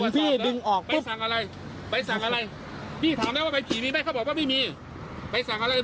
พี่ถามแล้วไงว่าใบขี่นี้ไม่ได้ตรวจเอกสาร